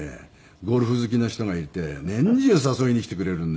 ゴルフ好きの人がいて年中誘いに来てくれるんで。